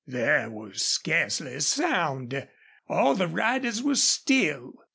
There was scarcely a sound. All the riders were still.